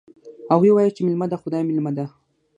هغوی وایي چې میلمه د خدای مېلمه ده